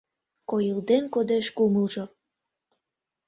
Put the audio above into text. Койылден кодеш кумылжо